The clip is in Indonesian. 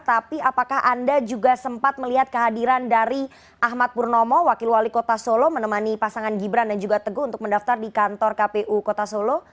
tapi apakah anda juga sempat melihat kehadiran dari ahmad purnomo wakil wali kota solo menemani pasangan gibran dan juga teguh untuk mendaftar di kantor kpu kota solo